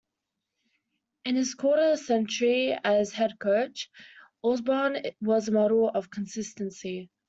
In his quarter-century as head coach, Osborne was a model of consistency.